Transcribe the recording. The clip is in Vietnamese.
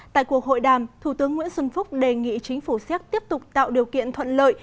tại cuộc hội đàm thủ tướng nguyễn xuân phúc đề nghị chính phủ séc tiếp tục tạo điều kiện thuận lợi